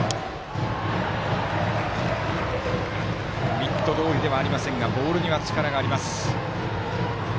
ミットどおりではありませんがボールには力があります。